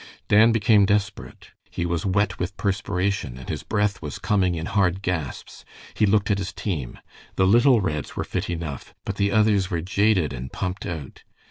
Dan became desperate. He was wet with perspiration, and his breath was coming in hard gasps. He looked at his team. The little Reds were fit enough, but the others were jaded and pumped out.